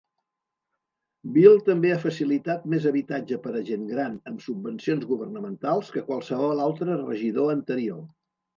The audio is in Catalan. Beale també ha facilitat més habitatge per a gent gran amb subvencions governamentals que qualsevol altre regidor anterior.